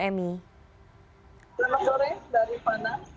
selamat sore dari mana